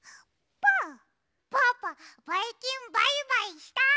ぽぅぽばいきんバイバイした！